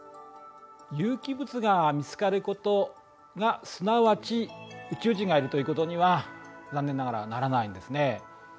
有機物が見つかることがすなわち宇宙人がいるということには残念ながらならないんですね。